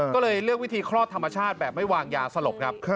ก็เลยเลือกวิธีคลอดธรรมชาติแบบไม่วางยาสลบครับ